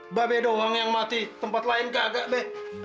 mbak be doang yang mati tempat lain gagak be